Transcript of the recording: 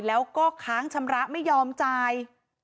แล้วก็ค้างชำระไม่ยอมจ่าย